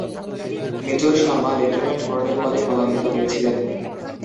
Major Sharma lieutenant colonel পদে পদোন্নতি পেয়েছিলেন।